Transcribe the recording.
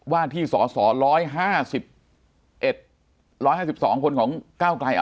ว่าที่สอสอร้อยห้าสิบเอ็ดร้อยห้าสิบสองคนของก้าวไกล